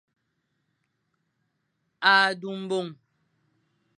A du mbong.